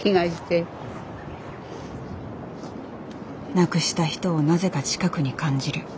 亡くした人をなぜか近くに感じる。